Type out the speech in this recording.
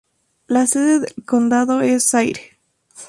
La sede del condado es Sayre.